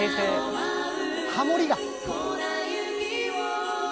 ハモりが。